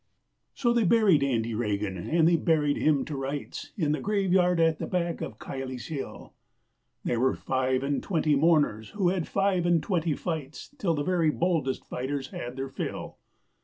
So they buried Andy Regan, and they buried him to rights, In the graveyard at the back of Kiley's Hill; There were five and twenty mourners who had five and twenty fights Till the very boldest fighters had their fill.